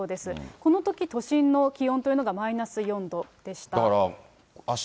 このとき都心の気温というのがマイナス４度でした。